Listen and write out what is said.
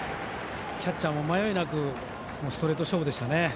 キャッチャーも迷いなくストレート勝負でしたね。